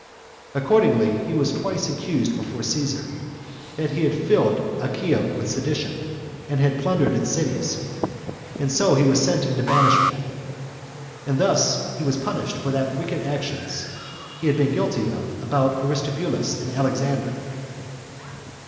Accordingly, he was twice accused before Caesar, that he had filled Achaia with sedition, and had plundered its cities; and so he was sent into banishment. And thus was he punished for what wicked actions he had been guilty of about Aristobulus and Alexander.